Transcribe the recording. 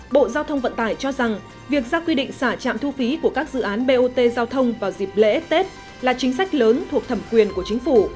bộ giao thông vận tải cho rằng việc ra quy định xả trạm thu phí của các dự án bot giao thông vào dịp lễ tết là chính sách lớn thuộc thẩm quyền của chính phủ